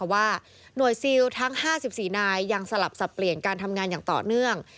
ว่าหน่วยซิลทั้ง๕๔นายยังสลับสับเปลี่ยนการทำงานอย่างต่อเนื่อง